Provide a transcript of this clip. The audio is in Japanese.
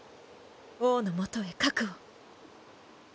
王のもとへ核を。